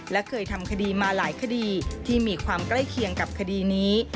และเคยทำคดีมาหลายคดีที่มีความใกล้เคียงกับคดีนี้